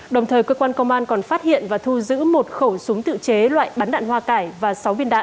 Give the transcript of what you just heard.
đồng thời cơ quan công an còn phát hiện và thu giữ một khẩu súng tự chế loại bắn đạn hoa cải và sáu viên đạn